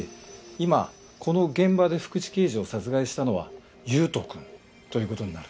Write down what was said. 今この現場で福知刑事を殺害したのは悠斗くんという事になる。